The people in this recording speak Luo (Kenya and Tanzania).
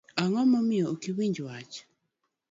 Ango miyo ok iwinj wach?